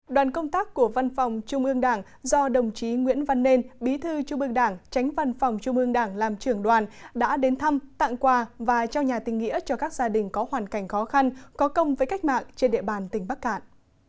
đoàn công tác của văn phòng trung ương đảng do đồng chí nguyễn văn nên bí thư trung ương đảng tránh văn phòng trung ương đảng làm trưởng đoàn đã đến thăm tặng quà và trao nhà tình nghĩa cho các gia đình có hoàn cảnh khó khăn có công với cách mạng trên địa bàn tỉnh bắc cạn